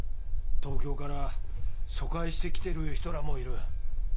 東京から疎開してきてる人らもいる。